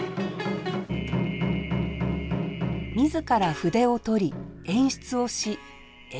自ら筆を執り演出をし演じる。